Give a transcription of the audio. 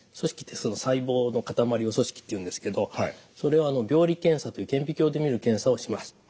細胞の塊を組織っていうんですけどそれを病理検査という顕微鏡で見る検査をします。